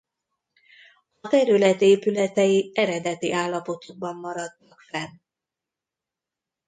A terület épületei eredeti állapotukban maradtak fenn.